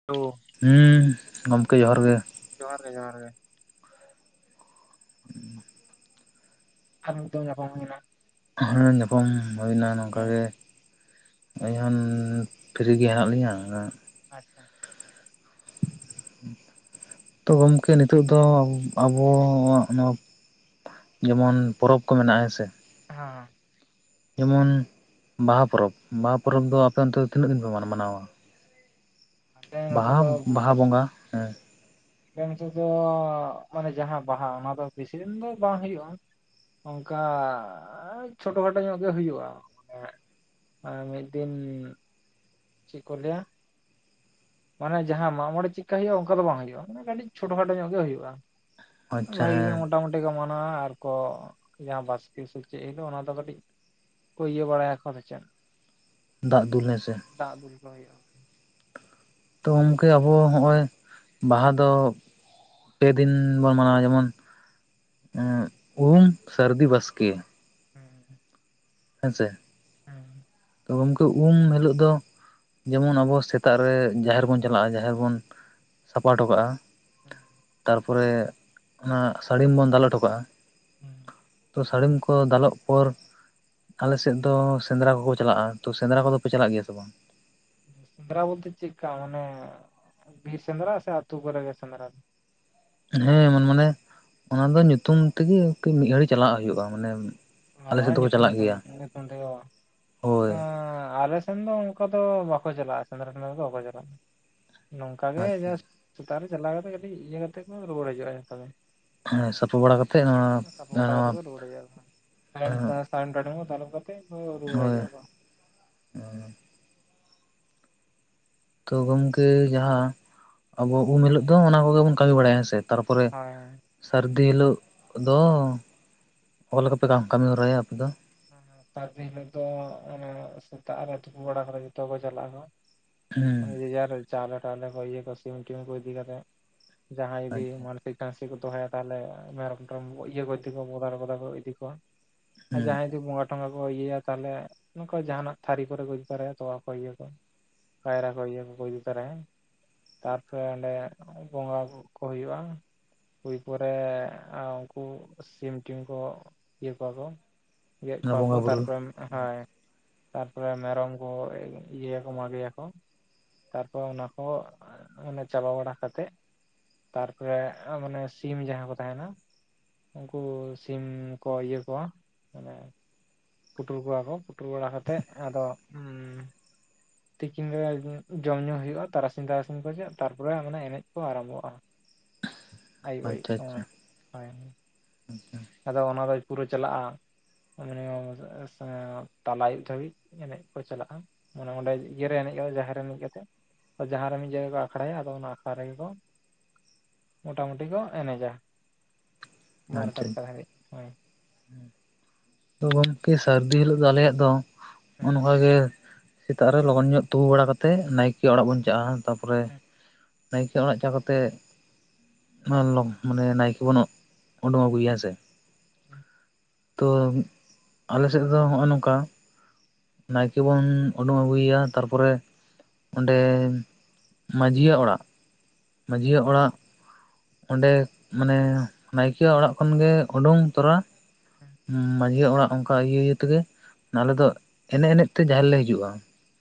[unintelligible] ᱦᱮᱸ ᱜᱚᱢᱠᱮ ᱡᱚᱦᱟᱨ ᱜᱮ᱾ ᱡᱚᱦᱟᱨ ᱜᱮ ᱡᱚᱦᱟᱨ ᱜᱮ᱾ ᱟᱨ ᱱᱤᱫ ᱫᱷᱮᱪ ᱧᱟᱯᱟᱢ ᱦᱩᱭᱱᱟ᱾ ᱧᱟᱯᱟᱢ ᱦᱩᱭ ᱮᱱᱟ ᱱᱚᱝᱠᱟ ᱜᱮ᱾ ᱤᱞᱦᱚᱱ ᱯᱷᱤᱨᱤᱜᱮ ᱦᱮᱱᱟᱜ ᱞᱤᱧᱟᱹ᱾ ᱟᱪᱪᱷᱟ᱾ ᱛᱚ ᱜᱚᱝᱠᱮ ᱱᱤᱛᱳᱜ ᱫᱚ ᱟᱵᱚᱣᱟᱜ ᱱᱚᱣᱟ᱾ ᱡᱮᱢᱚᱱ ᱯᱚᱨᱚᱵᱽ ᱠᱚ ᱢᱮᱱᱟᱜᱼᱟ ᱦᱮᱸᱥᱮ᱾ ᱦᱮᱸ ᱡᱮᱢᱚᱱ ᱵᱟᱦᱟ ᱯᱚᱨᱚᱵᱽ ᱵᱟᱦᱟ ᱯᱚᱨᱚᱵᱽ ᱫᱚ ᱟᱯᱮ ᱚᱱᱛᱮ ᱫᱚ ᱛᱤᱱᱟᱹᱜ ᱫᱤᱱ ᱯᱮ ᱢᱟᱱᱟᱣᱟ? [unintelligible] ᱱᱚᱛᱮ ᱵᱟᱦᱟ ᱫᱚ ᱵᱟᱦᱟ ᱵᱚᱸᱜᱟ ᱦᱮᱸ᱾ ᱟᱞᱮ ᱚᱱᱛᱮ ᱫᱚ ᱢᱟᱱᱮ ᱡᱟᱦᱟᱸ ᱵᱟᱦᱟ ᱚᱱᱟ ᱫᱚ ᱵᱮᱥᱤ ᱫᱤᱱ ᱫᱚ ᱵᱟᱝ ᱦᱩᱭᱩᱜᱼᱟ᱾ ᱚᱱᱠᱟ ᱪᱷᱳᱴᱳ ᱠᱷᱟᱴᱚ ᱧᱚᱜ ᱜᱮ ᱦᱩᱭᱩᱜᱼᱟ ᱢᱟᱱᱮ᱾ ᱟᱨ ᱢᱤᱫ ᱫᱤᱱ ᱪᱮᱫ ᱠᱚ ᱞᱟᱹᱭᱟ? ᱢᱟᱱᱮ ᱡᱟᱦᱟᱸ ᱢᱟᱜ ᱢᱚᱬᱮ ᱪᱮᱫᱠᱟ ᱦᱩᱭᱩᱜᱼᱟ ᱚᱱᱠᱟ ᱫᱚ ᱵᱟᱝ ᱦᱩᱭᱩᱜᱼᱟ ᱢᱟᱱᱮ ᱠᱟᱹᱴᱤᱡ ᱪᱷᱴᱳ ᱠᱷᱟᱴᱳ ᱧᱚᱜ ᱜᱮ ᱦᱩᱭᱩᱜᱼᱟ᱾ ᱟᱪᱪᱷᱟ ᱵᱷᱟᱜᱤ ᱜᱮ ᱦᱮᱸ ᱢᱳᱚᱴᱟᱢᱩᱴᱤ ᱠᱚ ᱢᱟᱱᱟᱣᱟ, ᱟᱨ ᱠᱚ ᱡᱟᱦᱟᱸ ᱵᱟᱥᱠᱮ ᱥᱮ ᱪᱮᱜ ᱦᱤᱞᱳᱜ ᱚᱱᱟ ᱫᱚ ᱠᱟᱹᱴᱤᱡ ᱠᱚ ᱤᱭᱟᱹ ᱵᱟᱲᱟᱭᱟᱠᱚ ᱟᱫᱚ ᱪᱮᱫ᱾ ᱫᱟᱜ ᱫᱩᱞ ᱦᱮᱸ ᱥᱮ᱾ ᱫᱟᱜ ᱫᱩᱞ ᱠᱚ ᱦᱩᱭᱩᱜ-ᱟ᱾ ᱛᱚ ᱜᱚᱝᱠᱮ ᱟᱵᱚ ᱦᱚᱜ-ᱚᱭ ᱵᱟᱦᱟ ᱫᱚ ᱯᱮ ᱫᱤᱱ ᱵᱚᱱ ᱢᱟᱱᱟᱣᱟ, ᱡᱮᱢᱚᱱ ᱮᱸᱜ ᱩᱢ ᱥᱟᱹᱨᱫᱤ ᱵᱟᱥᱠᱮ᱾ ᱦᱩᱸ᱾ ᱦᱮᱸ ᱥᱮ? ᱦᱮᱸ᱾ ᱛᱚ ᱜᱚᱢᱠᱮ ᱩᱢ ᱦᱤᱞᱳᱜ ᱫᱚ ᱡᱮᱢᱚᱱ ᱟᱵᱚ ᱥᱮᱛᱟᱜ ᱨᱮ ᱡᱟᱦᱮᱨ ᱵᱚᱱ ᱪᱟᱞᱟᱜ-ᱟ, ᱡᱟᱦᱮᱨ ᱵᱚᱱ ᱥᱟᱯᱷᱟ ᱦᱚᱴᱚᱠᱟᱜ-ᱟ, ᱦᱩᱸ ᱛᱟᱨᱯᱚᱨᱮ ᱚᱱᱟ ᱥᱟᱹᱲᱤᱢ ᱵᱚᱱ ᱫᱟᱞ ᱦᱚᱴᱚᱠᱟᱜ-ᱟ᱾ ᱦᱩᱸ᱾ ᱛᱚ ᱥᱟᱲᱤᱢ ᱠᱚ ᱫᱟᱞᱚᱵ ᱯᱚᱨ ᱟᱞᱮ ᱥᱮᱫ ᱫᱚ ᱥᱮᱸᱫᱽᱨᱟ ᱠᱚ ᱠᱚ ᱪᱟᱞᱟᱜ-ᱟ, ᱛᱚ ᱥᱮᱸᱫᱽᱨᱟ ᱠᱚᱫᱚ ᱯᱮ ᱪᱟᱞᱟᱜ ᱜᱮᱭᱟ ᱥᱮ ᱵᱟᱝ? ᱥᱮᱸᱫᱽᱨᱟ ᱵᱚᱞᱛᱮ ᱪᱮᱠᱠᱟ ᱢᱟᱱᱮ ᱵᱤᱨ ᱥᱮᱸᱫᱽᱨᱟ ᱥᱮ ᱟᱹᱛᱩ ᱠᱚᱨᱮ ᱜᱮ ᱥᱮᱸᱫᱽᱨᱟ? ᱦᱮᱸ ᱢᱟᱢᱟᱱᱮ ᱚᱱᱟ ᱫᱚ ᱧᱩᱛᱩᱢ ᱛᱮᱜᱮ ᱮᱠᱴᱩ ᱢᱤᱫ ᱜᱷᱟᱹᱲᱤ ᱪᱟᱞᱟᱜ ᱦᱩᱭᱩᱜ-ᱟ, ᱢᱟᱱᱮ ᱱᱚᱣᱟ ᱟᱞᱮ ᱥᱮᱫ ᱢᱟᱱᱮ ᱫᱚᱠᱚ ᱧᱩᱛᱩᱢ ᱪᱟᱞᱟᱜ ᱛᱮ ᱜᱮᱭᱟ ᱧᱩᱛᱩᱢ ᱛᱮᱜᱮ ᱵᱟ ᱦᱮᱸᱻ ᱦᱳᱭ ᱟᱞᱮ ᱥᱮ ᱥᱮᱱ ᱫᱚ ᱚᱱᱠᱟ ᱫᱚ ᱵᱟᱠᱚ ᱪᱟᱞᱟᱜ-ᱟ, ᱥᱮᱸᱫᱽᱨᱟ ᱫᱚ ᱵᱟᱠᱚ ᱪᱟᱞᱟᱜ-ᱟ, ᱱᱚᱝᱠᱟ ᱜᱮ ᱟᱪᱪᱷᱟ ᱡᱟᱥᱴ ᱥᱮᱛᱟᱜ ᱨᱮ ᱪᱟᱞᱟᱣ ᱠᱟᱛᱮ ᱠᱟᱹᱴᱤᱡ ᱤᱭᱟᱹ ᱠᱟᱛᱮᱜ ᱠᱚ ᱨᱩᱭᱟᱹᱲ ᱦᱤᱡᱩᱜ-ᱟ, ᱡᱚᱛᱚ ᱜᱮ᱾ ᱦᱮᱸ ᱥᱟᱯᱷᱟ ᱵᱟᱲᱟ ᱠᱟᱛᱮᱫ ᱱᱚᱣᱟ ᱥᱟᱯᱟ ᱵᱟᱲᱟ ᱠᱟᱛᱮ ᱱᱚᱣᱟ ᱠᱚ ᱨᱩᱭᱟᱹᱲ ᱦᱤᱡᱩᱜ-ᱟ ᱠᱚ᱾ [unintelligible] ᱨᱩᱭᱟᱹᱲ ᱦᱤᱡᱩᱜ-ᱟ ᱠᱚ᱾ ᱚᱻ᱾ ᱛᱚ ᱜᱚᱝᱠᱮ ᱡᱟᱦᱟᱸ ᱟᱵᱚ ᱩᱢ ᱦᱤᱞᱳᱜ ᱫᱚ ᱚᱱᱟ ᱠᱚᱜᱮ ᱵᱚᱱ ᱠᱟᱹᱢᱤ ᱵᱟᱲᱟᱭᱟ ᱦᱮᱸᱥᱮ? ᱛᱟᱨᱯᱚᱨᱮ ᱦᱳᱭ ᱥᱟᱹᱨᱫᱤ ᱦᱤᱞᱳᱜ ᱫᱚᱻ ᱚᱠᱟ ᱞᱮᱠᱟᱯᱮ ᱠᱟᱢᱤ ᱠᱟᱢᱤ ᱦᱚᱨᱟᱭᱟ ᱟᱯᱮ ᱫᱚ? ᱥᱟᱨᱫᱤ ᱦᱤᱞᱳᱜ ᱫᱚ ᱚᱱᱮ ᱥᱮᱛᱟᱜ ᱨᱮ ᱛᱩᱯᱩ ᱵᱟᱲᱟ ᱠᱟᱛᱮ ᱡᱚᱛᱚ ᱠᱚ ᱪᱟᱞᱟᱜ-ᱟ ᱠᱚ᱾ ᱚᱱᱮ ᱦᱩᱸ ᱡᱮ ᱡᱟᱨ ᱪᱟᱣᱞᱮ ᱴᱟᱣᱞᱮ ᱠᱚ ᱤᱭᱟᱹ ᱠᱚ ᱥᱤᱢ ᱴᱤᱢ ᱠᱚ ᱤᱫᱤ ᱠᱟᱛᱮᱫ, ᱡᱟᱦᱟᱸᱭ ᱡᱩᱫᱤ ᱟᱪᱪᱷᱟ ᱢᱟᱱ ᱴᱟᱱᱥᱤ ᱠᱚ ᱫᱚᱦᱚᱭᱟ ᱛᱟᱦᱚᱞᱮ ᱢᱮᱨᱚᱢ ᱴᱮᱨᱚᱢ ᱤᱭᱟᱹ ᱠᱚ ᱤᱫᱤ ᱠᱚᱣᱟ ᱵᱚᱫᱟᱨ ᱵᱚᱫᱟ ᱠᱚ ᱤᱫᱤ ᱠᱚᱣᱟ᱾ ᱟᱨ ᱦᱩᱸ ᱡᱟᱦᱟᱸᱭ ᱡᱩᱫᱤ ᱵᱚᱸᱜᱟ ᱴᱚᱸᱜᱟ ᱠᱚ ᱤᱭᱟᱹᱭᱟ ᱛᱟᱞᱦᱮ ᱱᱚᱝᱠᱟ ᱡᱟᱦᱟᱱᱟᱜ ᱛᱷᱟᱹᱨᱤ ᱠᱚᱨᱮ ᱠᱚ ᱤᱫᱤ ᱛᱚᱨᱟᱭᱟ ᱛᱚᱣᱟ ᱠᱚ ᱤᱭᱟᱹ ᱠᱚ᱾ ᱠᱟᱭᱨᱟ ᱠᱚ ᱤᱭᱟᱹ ᱠᱚ ᱠᱚ ᱤᱫᱤ ᱛᱟᱨᱟᱭᱟ᱾ ᱛᱟᱨᱯᱚᱨᱮ ᱚᱸᱰᱮ ᱵᱚᱸᱜᱟ ᱵᱩᱨᱩ ᱠᱚ ᱦᱩᱭᱩᱜ-ᱟ᱾ ᱦᱩᱭ ᱯᱚᱨᱮ ᱩᱱᱠᱩ ᱥᱤᱢ ᱴᱤᱢ ᱠᱚ ᱤᱭᱟᱹ ᱠᱚᱣᱟ ᱠᱚ᱾ ᱜᱮᱵ ᱚᱱᱟ ᱠᱚᱣᱟ ᱠᱚ ᱵᱚᱸᱜᱟ ᱵᱩᱨᱩ ᱛᱟᱨᱯᱚᱨᱮ, ᱦᱳᱭ᱾ ᱛᱟᱨᱯᱚᱨᱮ ᱢᱮᱨᱚᱢ ᱠᱚ ᱤᱭᱟᱹᱭᱟ ᱠᱚ ᱢᱟᱜᱮᱭᱟ ᱠᱚ᱾ ᱛᱟᱨᱯᱚᱨ ᱚᱱᱟ ᱠᱚ ᱚᱱᱮ ᱪᱟᱵᱟ ᱵᱟᱲᱟ ᱠᱟᱛᱮᱜ᱾ ᱛᱟᱨᱯᱚᱨᱮ ᱢᱟᱱᱮ ᱥᱤᱢ ᱡᱟᱦᱟᱸ ᱠᱚ ᱛᱟᱦᱮᱱᱟ᱾ ᱩᱱᱠᱩ ᱥᱤᱢ ᱠᱚ ᱤᱭᱟᱹ ᱠᱚᱣᱟ, ᱢᱟᱱᱮ ᱯᱩᱴᱩᱨ ᱠᱚᱣᱟ ᱠᱚ ᱯᱩᱴᱩᱨ ᱵᱟᱲᱟ ᱠᱟᱛᱮᱜ ᱟᱫᱚ ᱩᱸᱻ ᱛᱤᱠᱤᱱ ᱵᱮᱲᱟ ᱡᱚᱢ ᱧᱩ ᱦᱩᱭᱩᱜ-ᱟ, ᱛᱟᱨᱟᱥᱤᱧ ᱛᱟᱨᱟᱥᱤᱧ ᱠᱚ ᱛᱮ ᱛᱟᱨᱯᱚᱨᱮ ᱢᱟᱱᱮ ᱮᱱᱮᱡ ᱠᱚ ᱟᱨᱟᱢᱵᱚᱜ-ᱟ᱾ ᱟᱹᱭᱩᱵ ᱟᱹᱭᱩᱵ ᱟᱪᱪᱷᱟ ᱥᱚᱢᱚᱭ, ᱦᱳᱭ᱾ ᱟᱪᱪᱷᱟ᱾ ᱟᱫᱚ ᱚᱱᱟᱫᱚ ᱯᱩᱨᱟᱹ ᱪᱟᱞᱟᱜ-ᱟ, ᱢᱟᱱᱮ ᱮᱥᱮ ᱛᱟᱞᱟ ᱟᱭᱩᱵ ᱫᱷᱟᱹᱵᱤᱡ ᱮᱱᱮᱡ ᱠᱚ ᱪᱟᱞᱟᱜ-ᱟ᱾ ᱢᱟᱱᱮ ᱚᱸᱰᱮ ᱤᱭᱟᱹᱨᱮ ᱮᱱᱮᱡ ᱠᱟᱛᱮ ᱡᱟᱦᱮᱨ ᱨᱮ ᱮᱱᱮᱡ ᱠᱟᱛᱮᱜ᱾ ᱛᱚ ᱡᱟᱦᱟᱸ ᱨᱮ ᱢᱤᱫ ᱡᱟᱭᱜᱟ ᱠᱚ ᱟᱠᱷᱲᱟᱭᱟ ᱟᱫᱚ ᱚᱱᱟ ᱟᱠᱷᱲᱟ ᱨᱮᱜᱮ ᱠᱚ ᱢᱚᱴᱟ ᱢᱩᱴᱤ ᱠᱚ ᱮᱱᱮᱡᱟ ᱵᱟᱨᱚ ᱴᱟ ᱟᱪᱪᱷᱟ ᱟᱪᱪᱷᱟ ᱮᱠᱴᱟ ᱫᱷᱟᱹᱵᱤᱡ ᱦᱳᱭ ᱛᱚ ᱜᱚᱢᱠᱮ ᱥᱟᱹᱨᱫᱤ ᱦᱤᱞᱳᱜ ᱫᱚ ᱟᱞᱮᱭᱟᱜ ᱫᱚ ᱦᱮᱸ ᱚᱱᱠᱟ ᱜᱮ ᱥᱮᱛᱟᱜ ᱨᱮ ᱞᱚᱜᱚᱱ ᱧᱚᱜ ᱛᱳᱯᱳ ᱵᱟᱲᱟ ᱠᱟᱛᱮᱫ ᱱᱟᱭᱠᱮ ᱚᱲᱟᱜ ᱵᱚᱱ ᱪᱟᱜᱼᱟ ᱛᱟᱯᱚ ᱨᱮ ᱦᱮᱸ ᱱᱟᱭᱠᱮᱹ ᱚᱲᱟᱜ ᱪᱟ ᱠᱟᱛᱮ [inaudible] ᱱᱟᱭᱠᱮ ᱵᱚ ᱩᱰᱩᱜ ᱟᱹᱜᱩ ᱮᱭᱟ ᱦᱮᱸᱥᱮ [unintelligible] ᱛᱚ ᱟᱞᱮ ᱥᱮᱫ ᱫᱚ ᱱᱚᱜᱼᱚᱭ ᱱᱚᱝᱠᱟ ᱱᱟᱭᱠᱮ ᱵᱚᱱ ᱩᱰᱩᱝ ᱟᱹᱜᱩ ᱮᱭᱟ ᱛᱟᱨᱯᱚ ᱨᱮ ᱚᱸᱰᱮᱻ ᱢᱟᱹᱡᱷᱤᱭᱟᱜ ᱚᱲᱟᱜ ᱢᱟᱹᱡᱷᱤᱭᱟᱜ ᱚᱲᱟᱜ ᱚᱸᱰᱮ ᱢᱟᱱᱮ ᱱᱟᱭᱠᱮᱭᱟᱜ ᱚᱲᱟᱜ ᱠᱷᱚᱱ ᱜᱮ ᱩᱰᱩᱝ ᱛᱚᱨᱟ ᱦᱮᱸ [inaudible] [inaudible] ᱚᱲᱟᱜ ᱚᱱᱠᱟ ᱤᱭᱟᱹ ᱤᱭᱟᱹ ᱛᱮᱜᱮ ᱟᱞᱮ ᱫᱚ ᱮᱱᱮᱡ ᱮᱱᱮᱡ ᱛᱮ ᱡᱟᱦᱮᱨ ᱞᱮ ᱦᱤᱡᱩᱜᱼᱟ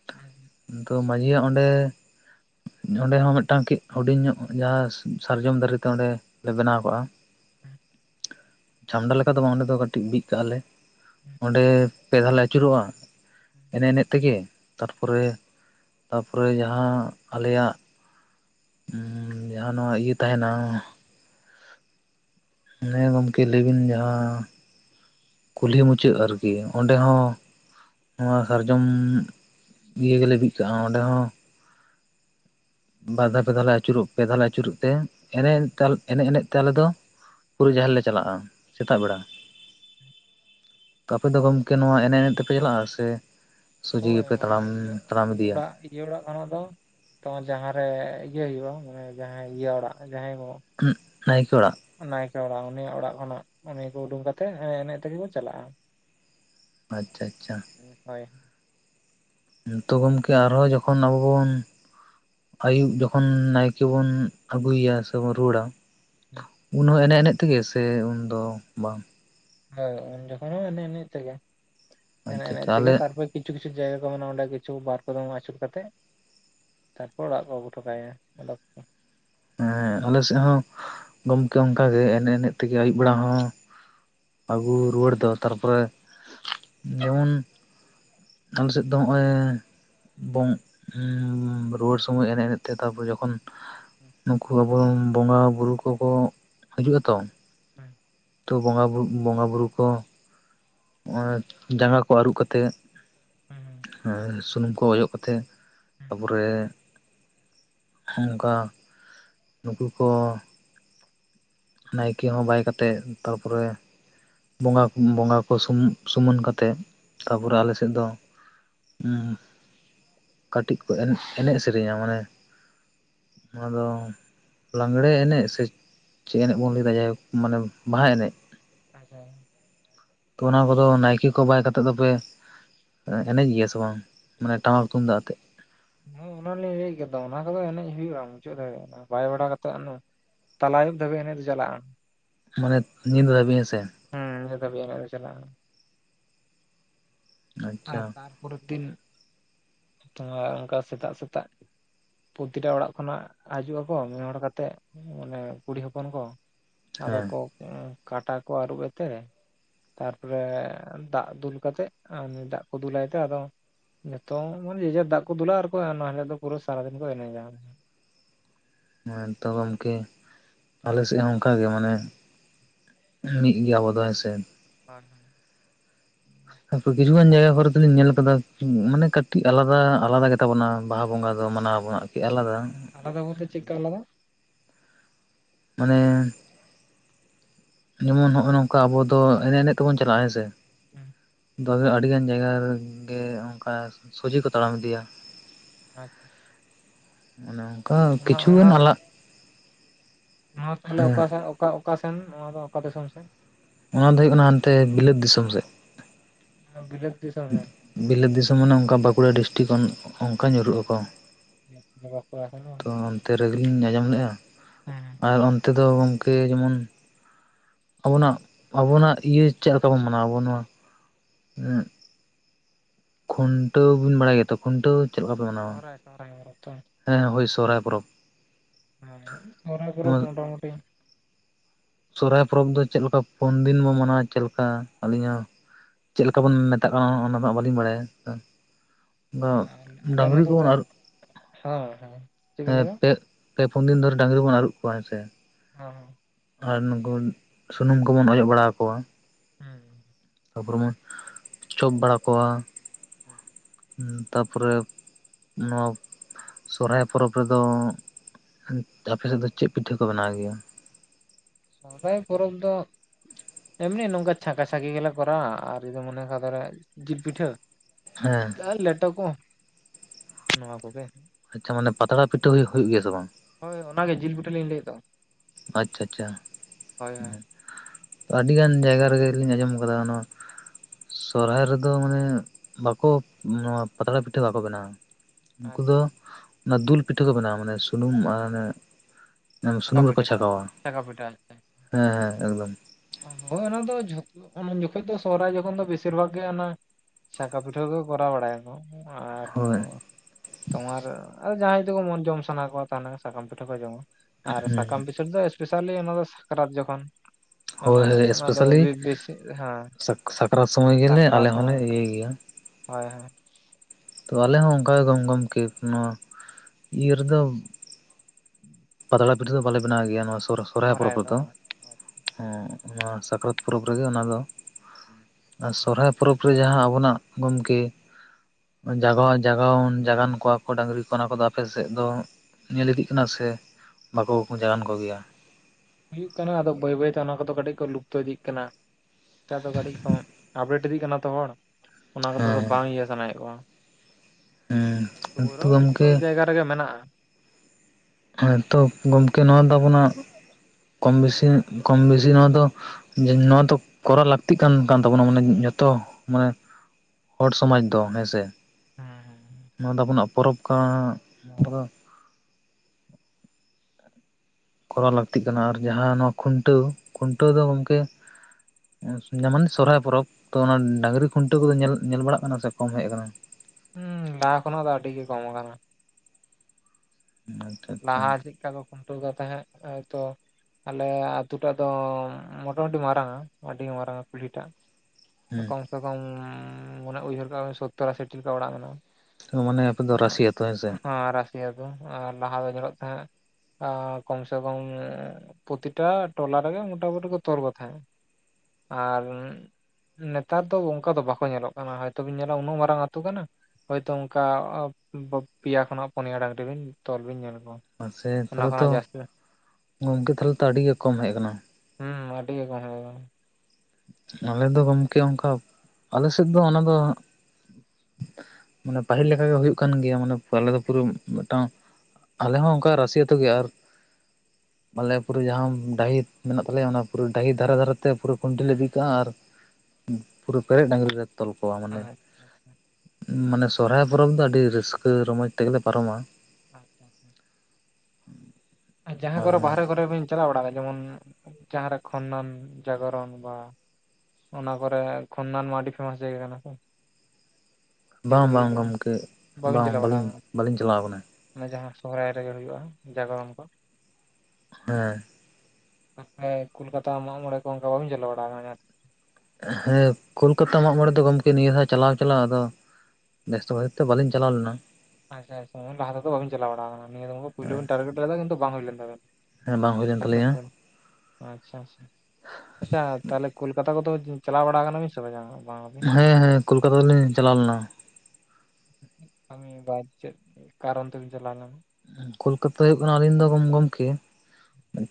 [inaudible] ᱛᱚ ᱢᱟᱹᱡᱷᱤᱭᱟᱜ ᱚᱸᱰᱮ ᱻᱚᱸᱰᱮ ᱦᱚᱸ ᱢᱤᱫᱴᱟᱝ ᱦᱩᱰᱤᱧ ᱧᱚᱜ ᱡᱟᱦᱟᱸ ᱥᱟᱨᱡᱚᱢ ᱫᱟᱨᱮ ᱛᱮ ᱚᱸᱰᱮ ᱞᱮ ᱵᱮᱱᱟᱣ ᱠᱟᱜᱼᱟ [unintelligible] ᱪᱷᱟᱢᱰᱟ ᱞᱮᱠᱟ ᱫᱚ ᱵᱟᱝ ᱚᱸᱰᱮ ᱫᱚ ᱠᱟᱹᱴᱤᱡ ᱵᱤᱫ ᱠᱟᱜᱼᱟ ᱞᱮ ᱦᱮᱸ ᱚᱸᱰᱮ ᱯᱮ ᱫᱷᱟᱣ ᱞᱮ ᱟᱹᱪᱩᱨᱚᱜᱼᱟ ᱦᱮᱸ ᱮᱱᱮᱡ ᱮᱱᱮᱡ ᱛᱮᱜᱮ ᱛᱟᱨᱯᱚ ᱨᱮ ᱛᱟᱨᱯᱚ ᱨᱮ ᱡᱟᱦᱟᱸ ᱟᱞᱮᱭᱟᱜ ᱡᱟᱦᱟᱸ ᱱᱚᱣᱟ ᱤᱭᱟᱹ ᱛᱟᱦᱮᱱᱟ ᱦᱮᱸ ᱜᱚᱝᱠᱮ ᱞᱟᱹᱭ ᱵᱤᱱ ᱡᱟᱦᱟᱸᱻ ᱠᱩᱞᱦᱤ ᱢᱩᱪᱟᱹᱫ ᱟᱨᱠᱤ ᱚᱸᱰᱮ ᱦᱚᱸ ᱱᱚᱣᱟ ᱥᱟᱨᱡᱚᱢ ᱤᱭᱟᱹ ᱜᱮᱞᱮ ᱵᱤᱫ ᱠᱟᱜᱼᱟ ᱚᱸᱰᱮ ᱦᱚᱸ ᱵᱟᱨ ᱫᱷᱟᱣ ᱯᱮ ᱫᱷᱟᱣ ᱞᱮ ᱟᱹᱪᱩᱨᱚᱜ ᱯᱮ ᱫᱷᱟᱣ ᱞᱮ ᱟᱹᱪᱩᱨᱚᱜ ᱛᱮ ᱮᱱᱮᱡ ᱮᱱᱮᱡ ᱛᱮ ᱮᱱᱮᱡ ᱮᱱᱮᱡ ᱛᱮ ᱟᱞᱮ ᱫᱚ ᱯᱩᱨᱟᱹ ᱡᱟᱦᱮᱨ ᱞᱮ ᱪᱟᱞᱟᱜᱼᱟ᱾ ᱦᱮᱸ ᱥᱮᱛᱟᱜ ᱵᱮᱲᱟ ᱛᱚ ᱟᱯᱮ ᱫᱚ ᱜᱚᱢᱠᱮ ᱱᱚᱣᱟ ᱮᱱᱮᱡ ᱮᱱᱮᱡ ᱛᱮᱯᱮ ᱪᱟᱞᱟᱜᱼᱟ ᱥᱮ ᱥᱚᱡᱷᱮ ᱦᱳᱭ ᱜᱮᱯᱮ ᱢᱟᱱᱮ ᱛᱟᱲᱟᱢ ᱤᱭᱟᱹ ᱛᱟᱲᱟᱢ ᱤᱭᱟᱹ ᱤᱫᱤᱭᱟ? ᱚᱲᱟᱜ ᱤᱭᱟᱹ ᱚᱲᱟᱜ ᱠᱷᱚᱱᱟᱜ ᱫᱚ ᱛᱚ ᱡᱟᱦᱟᱸ ᱨᱮ ᱤᱭᱟᱹ ᱦᱩᱭᱩᱜᱼᱟ ᱢᱟᱱᱮ ᱡᱟᱦᱟᱸ ᱤᱭᱟᱹ ᱚᱲᱟᱜ ᱡᱟᱦᱟᱸᱭ [inaudible] ᱱᱟᱭᱠᱮ ᱚᱲᱟᱜ ᱱᱟᱭᱠᱮ ᱚᱲᱟᱜ ᱩᱱᱤᱭᱟᱜ ᱚᱲᱟᱜ ᱠᱷᱚᱱᱟᱜ ᱩᱱ ᱠᱚ ᱩᱰᱩᱝ ᱠᱟᱛᱮᱜ ᱮᱱᱮᱡ ᱛᱮᱜᱮ ᱠᱚ ᱪᱟᱞᱟᱜᱼᱟ᱾ ᱟᱪᱪᱷᱟ ᱟᱪᱪᱷᱟ ᱦᱳᱭ ᱛᱚ ᱜᱚᱢᱠᱮ ᱟᱨᱦᱚᱸ ᱡᱚᱠᱷᱚᱱ ᱟᱵᱚ ᱵᱩᱱ ᱟᱭᱩᱵ ᱡᱚᱠᱷᱚᱱ ᱱᱟᱭᱠᱮ ᱵᱩᱱ ᱟᱹᱜᱩᱭᱮᱭᱟ ᱥᱮᱵᱚᱱ ᱨᱩᱣᱟᱹᱲᱟ ᱩᱱᱦᱚᱸ ᱮᱱᱮᱡ ᱮᱱᱮᱡ ᱛᱮᱜᱮ ᱥᱮ ᱩᱱ ᱫᱚ ᱵᱟᱝ? ᱦᱳᱭ ᱩᱱ ᱡᱚᱠᱷᱚᱱ ᱦᱚᱸ ᱮᱱᱮᱡ ᱮᱱᱮᱡ ᱛᱮᱜᱮ ᱮᱱᱮᱡ ᱟᱪᱪᱷᱟ ᱮᱱᱮᱡ ᱟᱪᱪᱷᱟ ᱛᱮᱜᱮ ᱟᱞᱮ ᱛᱟᱨᱯᱚᱨ ᱠᱤᱪᱷᱩ ᱠᱤᱪᱷᱩ ᱡᱟᱭᱜᱟ ᱢᱮᱱᱟᱜᱼᱟ ᱚᱸᱰᱮ ᱠᱤᱪᱷᱩ ᱵᱟᱨ ᱯᱮ ᱫᱚᱢ ᱟᱹᱪᱩᱨ ᱠᱟᱛᱮ ᱛᱟᱨᱯᱚᱨ ᱚᱲᱟᱜ ᱠᱚ ᱟᱹᱜᱩ ᱦᱚᱴᱚ ᱠᱟᱭᱟ᱾ ᱮᱻ ᱟᱞᱮ ᱥᱮᱫ ᱦᱚᱸ ᱜᱚᱢᱠᱮ ᱚᱱᱠᱟ ᱜᱮ ᱮᱱᱮᱡ ᱮᱱᱮᱡ ᱛᱮᱜᱮ ᱟᱭᱩᱵ ᱵᱮᱲᱟ ᱦᱚᱸ ᱟᱹᱜᱩ ᱨᱩᱣᱟᱹᱲ ᱫᱚ ᱛᱟᱨᱯᱚ ᱨᱮ ᱡᱮᱢᱚᱱ [inaudible] ᱥᱮᱫ ᱫᱚ ᱱᱚᱜᱼ ᱚᱭ ᱮ [inaudible] ᱨᱩᱣᱟᱹᱲ ᱥᱩᱢᱟᱹᱭ ᱮᱱᱮᱡ ᱮᱱᱮᱡ ᱛᱮ ᱛᱟᱯᱚᱨ ᱡᱚᱠᱷᱚᱱ ᱱᱩᱠᱩ ᱟᱵᱚ ᱵᱚᱸᱜᱟ ᱵᱩᱨᱩ ᱠᱚᱠᱚ ᱦᱤᱡᱩᱜᱼᱟ ᱛᱚ ᱦᱩᱸ ᱛᱚ ᱵᱚᱸᱜᱟ ᱵᱚᱸᱜᱟ ᱵᱩᱨᱩ ᱠᱚ [inaudible] ᱡᱟᱸᱜᱟ ᱠᱩ ᱟᱹᱨᱩᱵ ᱠᱟᱛᱜ ᱥᱩᱱᱩᱢ ᱠᱩ ᱚᱡᱚᱜ ᱠᱟᱛᱮᱜ ᱛᱟᱯᱚᱨᱮ ᱱᱚᱝᱠᱟ ᱱᱩᱠᱩ ᱠᱚ ᱱᱟᱭᱠᱮ ᱦᱚᱸ ᱵᱟᱭ ᱠᱟᱛᱮᱜ ᱛᱟᱨᱯᱚᱨᱮ ᱵᱚᱸᱜᱟ ᱵᱚᱸᱜᱟ ᱠᱚ ᱥᱩᱢᱟᱹᱱ ᱠᱟᱛᱮᱜ ᱛᱟᱯᱚᱨᱮ ᱟᱞᱮᱥᱮᱫ ᱫᱚ ᱠᱟᱹᱴᱤᱡ ᱠᱚ ᱮᱱᱮᱡ ᱥᱮᱨᱮᱧᱟ ᱢᱟᱱᱮ ᱟᱫᱚ ᱞᱟᱜᱽᱲᱮ ᱮᱱᱮᱡ ᱥᱮᱨᱮᱧ ᱪᱮᱫ ᱮᱱᱮᱡ ᱵᱚᱱ ᱞᱟᱹᱭᱮᱫᱟ ᱡᱟᱦᱳᱠ ᱢᱟᱱᱮ ᱵᱟᱦᱟ ᱮᱱᱮᱡ᱾ [inaudible] ᱛᱚ ᱚᱱᱟ ᱠᱚᱫᱚ ᱱᱟᱭᱠᱮ ᱠᱚ ᱵᱟᱭ ᱠᱟᱛᱮᱜ ᱫᱚᱯᱮ ᱮᱜ ᱮᱱᱮᱡ ᱜᱮᱭᱟ ᱥᱮ ᱵᱟᱝ ᱢᱟᱱᱮ ᱴᱟᱢᱟᱠ ᱛᱩᱢᱫᱟᱜ ᱟᱛᱮᱜ? ᱦᱮᱸ ᱚᱱᱟᱞᱮ ᱮᱱᱮᱡᱟ ᱜᱮᱫᱚ ᱚᱱᱟ ᱚᱱᱟ ᱠᱚᱫᱚ ᱮᱱᱮᱡ ᱦᱩᱭᱩᱜᱼᱟ ᱢᱩᱪᱟᱹᱫ ᱨᱮ ᱵᱟᱭ ᱵᱟᱲᱟ ᱠᱟᱛᱮᱫ᱾ ᱛᱟᱞᱟ ᱟᱭᱩᱵ ᱫᱷᱟᱹᱵᱤᱡ ᱮᱱᱮᱡ ᱫᱚ ᱪᱟᱞᱟᱜᱼᱟ᱾ ᱢᱟᱱᱮ ᱧᱤᱫᱟᱹ ᱫᱷᱟᱹᱵᱤᱡ ᱦᱮᱸᱥᱮ? ᱦᱩᱸ ᱧᱤᱫᱟᱹᱫᱷᱟᱵᱤᱡ ᱮᱱᱮᱡ ᱫᱚ ᱪᱟᱞᱟᱜ-ᱟ ᱟᱨ ᱟᱪᱪᱷᱟ ᱛᱟᱨ ᱯᱚᱨᱮ ᱛᱤᱱ ᱟᱜ ᱚᱱᱠᱟ ᱥᱮᱛᱟᱜ ᱥᱮᱛᱟᱜ ᱯᱨᱚᱛᱤᱴᱟ ᱚᱲᱟᱜ ᱠᱷᱚᱱᱟᱜ ᱦᱤᱡᱩᱜ ᱟᱠᱚ ᱢᱤᱫ ᱦᱚᱲ ᱠᱟᱛᱮᱜ ᱢᱟᱱᱮ ᱠᱩᱲᱤ ᱦᱚᱯᱚᱱ ᱠᱚ ᱟᱫᱚ ᱠᱚ ᱠᱟᱴᱟ ᱠᱚ ᱟᱨᱩᱵᱮ ᱛᱮ ᱛᱟᱨᱯᱚᱨᱮ ᱫᱟᱜ ᱫᱩᱞ ᱠᱟᱛᱮᱫ ᱫᱟᱜ ᱠᱚ ᱫᱩᱞᱟᱭ ᱛᱮ ᱟᱫᱚ ᱡᱚᱛᱚ ᱢᱟᱱᱮ ᱡᱮᱡᱟᱨ ᱫᱟᱜ ᱠᱚ ᱫᱩᱞᱟᱜᱼᱟ ᱟᱨ ᱮᱱ ᱦᱤᱞᱳᱜ ᱫᱚ ᱯᱩᱨᱟᱹ ᱥᱟᱨᱟᱫᱤᱱ ᱠᱚ ᱮᱱᱮᱡᱟ᱾ ᱦᱮᱸ ᱛᱚ ᱜᱚᱝᱠᱮ ᱟᱞᱮ ᱥᱮᱫ ᱦᱚᱸ ᱚᱱᱠᱟᱜᱮ ᱢᱟᱱᱮ ᱢᱤᱫ ᱜᱮ ᱟᱵᱚ ᱫᱚ ᱦᱮᱸᱥᱮ? [inaudible] ᱠᱤᱪᱷᱩᱜᱟᱱ ᱡᱟᱭᱜᱟ ᱠᱚᱨᱮ ᱫᱚᱞᱤᱧ ᱧᱮᱞ ᱟᱠᱟᱫᱟ ᱢᱟᱱᱮ ᱠᱟᱹᱴᱤᱡ ᱟᱞᱟᱫᱟ ᱟᱞᱟᱫᱟ ᱜᱮᱛᱟ ᱵᱚᱱᱟ ᱵᱟᱦᱟ ᱵᱚᱸᱜᱟ ᱫᱚ ᱢᱟᱱᱟᱣ ᱟᱵᱚᱱᱟᱜ᱾ ᱠᱮ ᱟᱞᱟᱫᱟ ᱟᱞᱟᱫᱟ ᱵᱚᱞᱛᱮ ᱪᱮᱫ ᱞᱮᱠᱟ ᱟᱞᱟᱫᱟ? ᱢᱟᱱᱮ ᱡᱮᱢᱚᱱ ᱦᱚᱜ ᱱᱚᱝᱠᱟ ᱟᱵᱚ ᱫᱚ ᱮᱱᱮᱡ ᱮᱱᱮᱡ ᱛᱮᱵᱚᱱ ᱪᱟᱞᱟᱜᱼᱟ ᱦᱮᱸᱥᱮ ᱦᱩᱸ ᱫᱚ ᱟᱹᱰᱤ ᱜᱟᱱ ᱡᱟᱭᱜᱟ ᱨᱮᱜᱮ ᱚᱱᱠᱟ ᱥᱚᱡᱤ ᱠᱚ ᱛᱟᱲᱟᱢ ᱤᱫᱤᱭᱟ᱾ ᱟᱡ ᱚᱱᱮ ᱚᱱᱠᱟ ᱚᱱᱟ ᱠᱤᱪᱷᱩᱜᱟᱱ ᱟᱞᱟᱜ ᱱᱚᱣᱟ ᱛᱟᱦᱚᱞᱮ ᱦᱮᱸ ᱚᱠᱟᱥᱮᱫ ᱚᱠᱟ ᱚᱠᱟ ᱥᱮᱱ ᱱᱚᱣᱟ ᱫᱚ ᱚᱠᱟ ᱫᱤᱥᱚᱢ ᱥᱮᱱ? ᱱᱚᱣᱟ ᱫᱚ ᱦᱳᱭᱳᱜ ᱠᱟᱱᱟ ᱦᱟᱱᱛᱮ ᱵᱤᱞᱟᱹᱛ ᱫᱤᱥᱚᱢ ᱥᱮᱫ᱾ ᱵᱤᱞᱟᱹᱛ ᱫᱤᱥᱚᱢ ᱥᱮᱫ᱾ ᱵᱤᱞᱟᱹᱛ ᱫᱤᱥᱚᱢ ᱢᱟᱱᱮ ᱚᱱᱠᱟ ᱵᱟᱸᱠᱩᱲᱟ ᱰᱤᱥᱴᱤᱠ ᱚᱱᱠᱟ ᱧᱩᱨᱩᱜ ᱟᱠᱚ᱾ ᱱᱮᱥ ᱫᱚ ᱵᱟᱠᱚ ᱢᱟᱱᱟᱣᱟ? ᱛᱚ ᱚᱱᱛᱮ ᱨᱮᱜᱮ ᱞᱤᱧ ᱟᱸᱡᱚᱢ ᱞᱮᱜᱼᱟ ᱦᱮᱸ ᱟᱨ ᱚᱱᱛᱮ ᱫᱚ ᱜᱚᱝᱠᱮ ᱡᱮᱢᱚᱱ ᱟᱵᱚᱱᱟᱜ ᱟᱵᱚᱱᱟᱜ ᱤᱭᱟᱹ ᱪᱮᱫ ᱞᱮᱠᱟ ᱵᱚᱱ ᱢᱟᱱᱟᱣᱟ ᱟᱵᱚ ᱱᱚᱣᱟ ᱩᱜ ᱠᱷᱩᱱᱴᱟᱹᱣ ᱵᱤᱱ ᱵᱟᱲᱟᱭ ᱜᱮᱭᱟ ᱛᱚ ᱠᱷᱩᱱᱴᱟᱹᱣ ᱪᱮᱫ ᱞᱮᱠᱟ ᱯᱮ ᱢᱟᱱᱟᱣᱟ ᱥᱚᱦᱚᱨᱟᱭ ᱥᱚᱦᱚᱨᱟᱭ ᱦᱮᱛᱚ ᱦᱮᱸ ᱦᱳᱭ ᱥᱚᱦᱚᱨᱟᱭ ᱯᱚᱨᱚᱵᱽ᱾ ᱚ ᱥᱚᱦᱚᱨᱟᱭ ᱯᱚᱨᱚᱵᱽ ᱫᱚ ᱢᱚᱴᱟᱢᱩᱴᱤ ᱥᱚᱨᱦᱟᱭ ᱯᱚᱨᱚᱵᱽ ᱫᱚ ᱪᱮᱫ ᱞᱮᱠᱟ ᱯᱩᱱ ᱫᱤᱱ ᱵᱚ ᱢᱟᱱᱟᱣᱟ ᱪᱮᱫ ᱞᱮᱠᱟ ᱟᱹᱞᱤᱧ ᱦᱚ ᱪᱮᱫ ᱞᱮᱠᱟ ᱵᱚᱱ ᱢᱮᱛᱟᱜ-ᱟ ᱚᱱᱟ ᱢᱟ ᱵᱟᱹᱞᱤᱧ ᱵᱟᱲᱟᱭᱟ ᱾ ᱟᱞᱮ ᱰᱟᱝᱨᱤ ᱱᱚᱛᱮ ᱠᱚ ᱫᱚ ᱵᱚᱱ ᱟᱨᱩᱵ ᱦᱮᱸ ᱦᱮᱸ ᱪᱮᱫ ᱵᱤᱱ ᱮᱜ ᱞᱟᱹᱭᱫᱟ? ᱯᱮ ᱯᱮ ᱯᱩᱱ ᱫᱤᱱ ᱫᱷᱚᱨᱮ ᱰᱟᱹᱝᱨᱤ ᱵᱚᱱ ᱟᱹᱩᱵ ᱠᱚᱣᱟ ᱦᱮᱸ ᱥᱮ᱾ ᱦᱚᱸ ᱦᱚᱸ ᱾ ᱟᱨ ᱱᱩᱠᱩ ᱥᱩᱱᱩᱢ ᱠᱚᱵᱩᱱ ᱚᱡᱚᱜ ᱵᱟᱲᱟ ᱟᱠᱚᱣᱟ ᱾ ᱦᱩᱸ ᱾ ᱛᱟᱨᱯᱚᱨᱮ ᱵᱚᱱ ᱪᱚᱯ ᱵᱟᱲᱟ ᱠᱚᱣᱟ ᱾ ᱦᱩᱸ ᱾ ᱛᱟᱨ ᱯᱚᱨᱮ ᱱᱚᱣᱟ ᱥᱚᱨᱦᱟᱭ ᱯᱚᱨᱚᱵᱽ ᱨᱮᱫᱚ ᱟᱯᱮ ᱥᱮᱫ ᱫᱚ ᱪᱮᱫ ᱯᱤᱴᱷᱟᱹ ᱠᱚ ᱵᱮᱱᱟᱣ ᱜᱮᱭᱟ? ᱥᱚᱦᱚᱨᱟᱭ ᱯᱚᱨᱚᱵᱽ ᱫᱚ ᱮᱢᱱᱤ ᱱᱚᱝᱠᱟ ᱪᱷᱟᱠᱟ ᱪᱷᱟᱠᱤ ᱜᱮᱞᱮ ᱠᱚᱨᱟᱣᱟ ᱟᱨ ᱡᱩᱫᱤ ᱢᱚᱱᱮ ᱠᱷᱟᱱ ᱛᱟᱞᱮ ᱡᱤᱞ ᱯᱤᱴᱷᱟᱹ᱾ ᱦᱮᱸ ᱾ ᱟᱨ ᱞᱮᱴᱚ ᱠᱚ ᱱᱚᱣᱟ ᱠᱚᱜᱮ ᱟᱪᱪᱷᱟ ᱢᱟᱱᱮ ᱯᱟᱛᱲᱟ ᱯᱤᱴᱷᱟᱹ ᱦᱩᱭᱩᱜ, ᱦᱩᱭᱩᱜ ᱜᱮᱭᱟ ᱥᱮ ᱵᱟᱝ? ᱦᱳᱭ ᱚᱱᱟ ᱜᱤ ᱡᱤᱞ ᱯᱤᱴᱷᱟᱹ ᱞᱤᱧ ᱞᱟᱹᱭᱮᱫ ᱫᱚ᱾ ᱟᱪᱪᱷᱟ ᱟᱪᱪᱷᱟ ᱦᱳᱭ ᱦᱮᱸ ᱦᱳᱭ ᱾ ᱟᱹᱰᱤ ᱜᱟᱱ ᱡᱟᱭᱜᱟ ᱨᱮᱜᱮ ᱞᱤᱧ ᱟᱸᱡᱚᱢ ᱠᱟᱫᱟ ᱱᱚᱸᱣᱟ ᱥᱚᱨᱦᱟᱭ ᱨᱮᱫᱚ ᱢᱟᱱᱮ ᱵᱟᱠᱚ ᱱᱚᱣᱟ ᱯᱟᱛᱲᱟ ᱯᱤᱴᱷᱟᱹ ᱵᱟᱠᱚ ᱵᱮᱱᱟᱣᱟ᱾ ᱩᱱᱠᱩ ᱟᱪᱪᱷᱟ ᱫᱚ ᱟᱪᱪᱷᱟ ᱚᱱᱟ ᱫᱩᱞ ᱯᱤᱴᱷᱟᱹ ᱠᱚ ᱵᱮᱱᱟᱣᱟ ᱢᱟᱱᱮ ᱥᱩᱱᱩᱢ ᱟᱻ ᱟᱱᱮ ᱚᱱᱮ ᱪᱷᱟᱸᱠᱟ ᱥᱩᱱᱩᱢ ᱠᱚ ᱯᱤᱴᱷᱟᱹ ᱪᱷᱟ- ᱪᱷᱟᱠᱟᱣᱟ ᱪᱷᱟᱸᱠᱟ ᱯᱤᱴᱷᱟᱹ ᱟᱪᱪᱷᱟ ᱟᱪᱪᱷᱟ᱾ ᱦᱮᱸ ᱦᱮᱸ ᱮᱠᱫᱚᱢ ᱾ ᱦᱳᱭ ᱚᱱᱟ ᱫᱚ ᱡᱷᱚᱛᱚ ᱚᱱ ᱩᱱ ᱡᱚᱠᱷᱚᱡ ᱫᱚ ᱥᱚᱨᱦᱟᱭ ᱡᱚᱠᱷᱚᱱ ᱫᱚ ᱵᱮᱥᱤᱨ ᱵᱷᱟᱜᱽ ᱜᱮ ᱚᱱᱟ ᱪᱷᱟᱠᱟ ᱯᱤᱴᱷᱟᱹ ᱠᱚ ᱠᱚᱨᱟᱣ ᱵᱟᱲᱟᱭᱟ ᱟᱠᱚ ᱦᱳᱭ [inaudible] ᱛᱳᱢᱟᱨ ᱟᱨ ᱡᱟᱦᱟᱸᱭ ᱫᱚ ᱠᱚ ᱢᱚᱱ ᱡᱚᱢ ᱥᱟᱱᱟ ᱠᱚᱣᱟ ᱛᱟᱞᱦᱮ ᱠᱷᱟᱱ ᱥᱟᱠᱟᱢ ᱯᱤᱴᱷᱟᱹ ᱠᱚ ᱡᱚᱢᱟ᱾ ᱟᱨ ᱥᱟᱠᱟᱢ ᱦᱩᱸ ᱯᱤᱴᱷᱟᱹ ᱫᱚ ᱮᱥᱯᱮᱥᱟᱞᱤ ᱚᱱᱟ ᱫᱚ ᱥᱟᱠᱨᱟᱛ ᱡᱚᱠᱷᱚᱱ ᱾ ᱢᱟᱱᱮ ᱦᱳᱭ ᱦᱳᱭ ᱚᱱᱟ ᱫᱚ ᱮᱥᱯᱮᱥᱟᱞᱤ ᱵᱤ-ᱵᱤᱥᱤ ᱦᱮᱸ ᱥᱟᱠᱨᱟᱛ ᱥᱚᱢᱚᱭ ᱜᱮᱞᱮ ᱥᱟᱠᱨᱟ ᱟᱞᱮ ᱦᱚᱸᱞᱮ ᱥᱚᱢᱚᱭ ᱤᱭᱟᱹᱭ ᱜᱮᱭᱟ ᱦᱳᱭ ᱦᱮᱸ ᱾ ᱛᱚ ᱟᱞᱮ ᱦᱚᱸ ᱚᱝᱠᱟ ᱜᱮ ᱜᱚᱢ-ᱜᱚᱢᱠᱮ ᱱᱚᱣᱟ ᱤᱭᱟᱹ ᱨᱮᱫᱚ ᱯᱟᱛᱲᱟ ᱯᱤᱴᱷᱟᱹ ᱫᱚ ᱵᱟᱞᱮ ᱵᱮᱱᱟᱣ ᱜᱮᱭᱟ ᱱᱚᱣᱟ ᱥᱚᱨ-ᱥᱚᱨᱦᱟᱭ ᱥᱚᱦᱨᱟᱭ ᱯᱚᱨᱚᱵᱽ ᱫᱚ ᱨᱮᱫᱚ ᱵᱟᱝ ᱾ ᱦᱮᱸ ᱱᱚᱣᱟ ᱥᱟᱠᱨᱟᱛ ᱯᱚᱨᱚᱵᱽ ᱨᱮᱜᱮ ᱚᱱᱟ ᱫᱚ ᱦᱩᱸ᱾ ᱟᱨ ᱥᱚᱨᱦᱟᱭ ᱯᱚᱨᱚᱵᱽ ᱨᱮ ᱡᱟᱦᱟᱸ ᱟᱵᱚᱱᱟᱜ ᱜᱚᱢᱠᱮ ᱡᱟᱜᱟᱣᱟᱜ-ᱡᱟᱜᱟᱣ ᱡᱟᱜᱟᱱ ᱠᱚᱣᱟ ᱠᱚ ᱰᱟᱹᱝᱨᱤ ᱠᱚ ᱚᱱᱟ ᱠᱚᱫᱚ ᱟᱯᱮ ᱥᱮᱫ ᱫᱚ ᱧᱮᱞ ᱤᱫᱤᱜ ᱠᱟᱱᱟ ᱥᱮ ᱵᱟᱠᱚ ᱡᱟᱜᱟᱱ ᱠᱚ ᱜᱮᱭᱟ? ᱦᱩᱭᱩᱜ ᱠᱟᱱᱟ ᱟᱫᱚ ᱵᱟᱹᱭ ᱵᱟᱹᱭ ᱛᱮ ᱚᱱᱟ ᱠᱚᱫᱚ ᱠᱟᱹᱴᱤᱡ ᱠᱚ ᱞᱩᱯᱛᱚ ᱤᱫᱤᱜ ᱠᱟᱱᱟ᱾ ᱱᱮᱛᱟᱜ ᱫᱚ ᱠᱟᱹᱴᱤᱡ ᱠᱚ ᱟᱯᱰᱮᱴ ᱤᱫᱤᱜ ᱠᱟᱱᱟ ᱛᱚ ᱦᱚᱲ ᱚᱱᱟ ᱠᱚᱫᱚ ᱦᱮᱸ ᱵᱟᱝ ᱤᱭᱟᱹ ᱥᱟᱱᱟᱭᱮᱫ ᱠᱚᱣᱟ᱾ ᱦᱮᱸ ᱛᱩᱵᱩ ᱠᱤᱱᱛᱩ ᱨᱮᱦᱚᱸ ᱵᱮᱥᱤᱨ ᱜᱚᱢᱠᱮ ᱵᱷᱟᱜᱽ ᱡᱟᱭᱜᱟ ᱨᱮᱜᱮ ᱢᱮᱱᱟᱜᱼᱟ᱾ ᱦᱮᱸ ᱛᱚ ᱜᱚᱢᱠᱮ ᱱᱚᱣᱟ ᱫᱚ ᱟᱵᱚᱱᱟᱜ ᱠᱚᱢ ᱵᱮᱥᱤ ᱠᱚᱢ ᱵᱮᱥᱤ ᱱᱚᱣᱟ ᱫᱚ ᱡᱮ ᱱᱚᱣᱟ ᱫᱚ ᱠᱚᱨᱟᱣ ᱞᱟᱹᱠᱛᱤᱜ ᱠᱟᱱ ᱠᱟᱱ ᱛᱟᱵᱚᱱᱟ ᱢᱟᱱᱮ ᱡᱚᱛᱚ ᱢᱟᱱᱮ ᱦᱚᱲ ᱥᱚᱢᱟᱡᱽ ᱫᱚ ᱦᱮᱸ ᱥᱮ, ᱦᱩᱸ ᱱᱚᱣᱟ ᱫᱚ ᱟᱵᱚᱱᱟᱜ ᱯᱚᱨᱚᱵᱽ ᱠᱟᱱᱟ ᱱᱚᱣᱟ ᱠᱚᱫᱚ ᱠᱚᱨᱟᱣ ᱞᱟᱹᱠᱛᱤᱜ ᱠᱟᱱᱟ᱾ ᱟᱨ ᱡᱟᱦᱟᱸ ᱱᱚᱣᱟ ᱠᱷᱩᱱᱴᱟᱹᱣ ᱠᱷᱩᱱᱴᱟᱹᱣ ᱫᱚ ᱦᱩᱸ ᱜᱚᱢᱠᱮ ᱡᱮᱢᱚᱱ ᱥᱚᱨᱦᱟᱭ ᱯᱚᱨᱚᱵᱽ ᱛᱚ ᱚᱱᱟ ᱰᱟᱹᱝᱨᱤ ᱠᱷᱩᱱᱴᱟᱹᱣ ᱠᱚᱫᱚ ᱧᱮᱞ ᱧᱮᱞ ᱵᱟᱲᱟᱜ ᱠᱟᱱᱟ ᱥᱮ ᱠᱚᱢ ᱦᱮᱡ ᱟᱠᱟᱱᱟ? ᱦᱩᱸ ᱞᱟᱦᱟ ᱠᱷᱚᱱᱟᱜ ᱫᱚ ᱟᱹᱰᱤ ᱜᱮ ᱠᱚᱢ ᱟᱠᱟᱱᱟ᱾ [unintelligible] ᱞᱟᱦᱟ ᱪᱮᱫᱠᱟ ᱠᱚ ᱠᱷᱩᱱᱴᱟᱹᱣ ᱠᱩ ᱛᱟᱦᱮᱸᱫ ᱮᱻ ᱛᱚ ᱟᱞᱮ ᱟᱛᱩ ᱴᱟᱜ ᱫᱚ ᱢᱚᱴᱟᱢᱩᱴᱤ ᱢᱟᱨᱟᱝ-ᱟ ᱟᱹᱰᱤ ᱢᱟᱨᱟᱝᱼᱟ ᱠᱩᱞᱦᱤ ᱴᱟᱜ ᱾ ᱦᱮᱸ ᱠᱚᱢ ᱥᱮ ᱠᱚᱢ ᱩᱱᱟᱹᱜ ᱩᱭᱦᱟᱹᱨ ᱠᱟᱜ ᱢᱮ ᱥᱳᱛᱛᱚᱨ ᱟᱥᱤᱴᱤ ᱞᱮᱠᱟ ᱚᱲᱟᱜ ᱢᱮᱱᱟᱜᱼᱟ᱾ ᱛᱚ ᱢᱟᱱᱮ ᱟᱯᱮ ᱫᱚ ᱨᱟᱹᱥᱤ ᱟᱛᱳ ᱦᱮᱸᱥᱮ ᱦᱮᱸ ᱨᱟᱥᱤᱭᱟ ᱫᱚ ᱟᱨ ᱞᱟᱦᱟ ᱫᱚ ᱧᱮᱞᱚᱜ ᱛᱟᱦᱮᱸᱫ ᱟ ᱠᱚᱢ ᱥᱮ ᱠᱚᱢ ᱯᱨᱚᱛᱤᱴᱟ ᱴᱚᱞᱟ ᱨᱮᱜᱮ ᱢᱚᱴᱟ ᱢᱩᱴᱤ ᱠᱚ ᱛᱚᱨᱠᱚ ᱛᱟᱦᱮᱸᱫ᱾ ᱟᱨ ᱱᱮᱛᱟᱨ ᱫᱚ ᱚᱱᱠᱟ ᱫᱚ ᱵᱟᱠᱚ ᱧᱮᱞᱚᱜ ᱠᱟᱱᱟ ᱦᱚᱭᱛᱳ ᱵᱤᱱ ᱧᱮᱞᱟ ᱩᱱᱟᱹᱜ ᱢᱟᱨᱟᱝ ᱟᱛᱩ ᱠᱟᱱᱟ ᱦᱳᱭᱛᱳ ᱚᱝᱠᱟ ᱯᱮᱭᱟ ᱠᱷᱚᱱᱟᱜ ᱯᱚᱱᱭᱟ ᱰᱟᱹᱝᱨᱤ ᱵᱤᱱ ᱛᱚᱞ ᱵᱤᱱ ᱧᱮᱞ ᱠᱚᱣᱟ᱾ ᱢᱟᱥᱮ ᱚᱱᱟ ᱛᱟᱞᱦᱮ ᱛᱚ ᱠᱷᱚᱱᱟᱜ ᱡᱟᱹᱥᱛᱤ ᱜᱚᱝᱠᱮ ᱛᱟᱞᱦᱮ ᱛᱚ ᱟᱹᱰᱤ ᱜᱮ ᱠᱚᱢ ᱦᱮᱡ ᱟᱠᱟᱱᱟ᱾ ᱦᱩᱸ ᱟᱹᱰᱤ ᱜᱮ ᱠᱚᱢ ᱦᱮᱡ ᱠᱟᱱᱟ᱾ ᱟᱞᱮ ᱫᱚ ᱜᱚᱝᱠᱮ ᱚᱝᱠᱟ, ᱟᱞᱮ ᱥᱮᱫ ᱫᱚ ᱚᱱᱟ ᱫᱚ ᱢᱟᱱᱮ ᱯᱟᱹᱦᱤᱞ ᱞᱮᱠᱟ ᱜᱮ ᱦᱩᱭᱩᱜ ᱠᱟᱱ ᱜᱮᱭᱟ ᱢᱟᱱᱮ ᱯᱟᱞᱮ ᱫᱚ ᱯᱩᱨᱟᱹ ᱢᱤᱫᱴᱟᱝ ᱟᱞᱮ ᱦᱚᱸ ᱚᱝᱠᱟ ᱨᱟᱹᱥᱤ ᱟᱛᱩ ᱜᱮ ᱟᱨ ᱟᱞᱮ ᱯᱩᱨᱟᱹ ᱡᱟᱦᱟᱸᱢ ᱰᱟᱹᱦᱤ ᱢᱮᱱᱟᱜ ᱛᱟᱞᱮᱭᱟ ᱚᱱᱟ ᱯᱩᱨᱟᱹ ᱰᱟᱹᱦᱤ ᱫᱷᱟᱨᱮ ᱫᱷᱟᱨᱮ ᱛᱮ ᱯᱩᱨᱟᱹ ᱠᱷᱩᱱᱴᱤ ᱞᱮ ᱵᱤᱫ ᱠᱟᱜᱼᱟ ᱟᱨ ᱯᱩᱨᱟᱹ ᱯᱮᱨᱮᱡ ᱰᱟᱹᱝᱨᱤ ᱞᱮ ᱛᱚᱞ ᱠᱚᱣᱟ ᱢᱟᱱᱮ ᱟᱪᱪᱷᱟ ᱢᱟᱱᱮ ᱥᱚᱨᱦᱟᱭ ᱯᱚᱨᱚᱵᱽ ᱫᱚ ᱟᱹᱰᱤ ᱨᱟᱹᱥᱠᱟᱹ ᱨᱚᱢᱚᱡᱽ ᱛᱮᱜᱮ ᱞᱮ ᱯᱟᱨᱚᱢᱟ᱾ ᱟᱪᱪᱷᱟ, ᱟᱪᱪᱷᱟ᱾ ᱡᱟᱦᱟᱸ ᱠᱚᱨᱮ ᱟᱨ ᱵᱟᱦᱨᱮ ᱠᱚᱨᱮ ᱵᱮᱱ ᱪᱟᱞᱟᱣ ᱵᱟᱲᱟ ᱡᱮᱢᱚᱱ ᱡᱟᱦᱟᱸᱨᱮ ᱠᱷᱚᱱᱱᱚᱱ, ᱡᱟᱜᱚᱨᱚᱱ ᱵᱟ ᱚᱱᱟ ᱠᱚᱨᱮ ᱠᱷᱚᱱᱱᱟᱱ ᱢᱟ ᱟᱹᱰᱤ ᱯᱷᱮᱢᱟᱥ ᱡᱟᱭᱜᱟ ᱠᱟᱱᱟ ᱥᱮ᱾ ᱤᱭᱟᱹ ᱠᱚ ᱵᱟᱝ ᱵᱟᱝ ᱦᱩᱭᱩᱜᱼᱟ, ᱜᱚᱢᱠᱮ ᱵᱟᱹᱵᱤᱱ ᱵᱟᱝ ᱪᱟᱞᱟᱣ ᱵᱟᱲᱟᱣ? ᱵᱟᱹᱞᱤᱧ ᱵᱟᱹᱞᱤᱧ ᱪᱟᱞᱟᱣ ᱟᱠᱟᱱᱟ ᱚᱱᱮ ᱡᱟᱦᱟᱸ ᱥᱚᱦᱚᱨᱟᱭ ᱨᱮᱜᱮ ᱦᱩᱭᱩᱜᱼᱟ ᱡᱟᱜᱽᱨᱚᱢ ᱠᱚ᱾ ᱦᱩᱸ᱾ ᱛᱟᱦᱚᱞᱮ ᱠᱳᱞᱠᱟᱛᱟ ᱢᱟᱜ ᱢᱚᱬᱮ ᱠᱚ ᱚᱱᱠᱟ ᱵᱟᱵᱤᱱ ᱪᱟᱞᱟᱣ ᱵᱟᱲᱟ ᱟᱠᱟᱱᱟ? ᱚᱱᱟ ᱦᱮᱸ ᱠᱳᱞᱠᱟᱛᱟ ᱢᱟᱜ ᱢᱚᱬᱮ ᱫᱚ ᱜᱚᱢᱠᱮ ᱱᱤᱭᱟᱹ ᱫᱷᱟᱣ ᱪᱟᱞᱟᱣ ᱪᱟᱞᱟᱜ ᱟᱫᱚ ᱵᱮᱥᱛᱚ ᱠᱷᱟᱹᱛᱤᱨ ᱛᱮ ᱵᱟᱞᱤᱧ ᱪᱟᱞᱟᱣ ᱞᱮᱱᱟ᱾ ᱟᱪᱪᱷᱟ, ᱟᱪᱪᱷᱟ ᱞᱟᱦᱟ ᱛᱮᱫ ᱵᱟ ᱵᱤᱱ ᱪᱟᱞᱟᱣ ᱵᱟᱲᱟ ᱟᱠᱟᱱᱟ ᱱᱤᱭᱟᱹ ᱫᱚᱢ ᱜᱮ ᱯᱳᱭᱞᱳ ᱵᱮᱱ ᱴᱟᱨᱜᱮᱴ ᱞᱮᱫᱟ ᱠᱤᱱᱛᱩ ᱵᱟᱝ ᱦᱩᱭ ᱞᱮᱱ ᱛᱟᱵᱮᱱᱟ᱾ ᱦᱮᱸ ᱵᱟᱝ ᱦᱩᱭ ᱞᱮᱱ [unintelligible] ᱟᱪᱪᱷᱟ, ᱛᱟᱹᱞᱤᱧᱟ ᱟᱪᱪᱷᱟ, ᱟᱪᱪᱷᱟ, ᱛᱟᱦᱚᱞᱮ ᱠᱳᱞᱠᱟᱛᱟ ᱠᱚᱫᱚ ᱪᱟᱞᱟᱣ ᱵᱟᱲᱟ ᱠᱟᱱᱟ ᱵᱤᱱ ᱥᱮ ᱵᱟᱝ ᱵᱟᱝ ᱟᱵᱤᱱ ᱦᱮᱸ, ᱦᱮᱸ ᱠᱳᱞᱠᱟᱛᱟ ᱫᱚ ᱞᱤᱧ ᱪᱟᱞᱟᱣ ᱞᱮᱱᱟ᱾ [unintelligible] ᱪᱮᱫ ᱠᱟᱨᱚᱱ ᱛᱮ ᱵᱤᱱ ᱪᱟᱞᱟᱣ ᱞᱮᱱᱟ? ᱠᱳᱞᱠᱟᱛᱟ ᱦᱩᱭᱩᱜ ᱠᱟᱱᱟ ᱟᱹᱞᱤᱧ ᱫᱚ ᱜᱚᱢ ᱜᱚᱢᱠᱮ ᱢᱤᱫᱴᱟᱝ